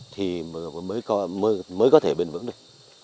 thì mới có thể bền vững được